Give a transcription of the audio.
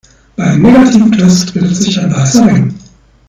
Beim negativen Test bildet sich ein weißer Ring.